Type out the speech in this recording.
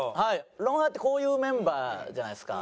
『ロンハー』ってこういうメンバーじゃないですか。